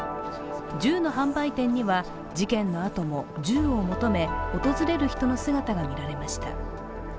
銃の販売店には、事件のあとも銃を求め、訪れる人の姿が見られました。